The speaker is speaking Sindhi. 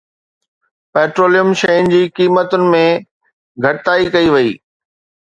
پيٽروليم شين جي قيمتن ۾ گهٽتائي ڪئي وئي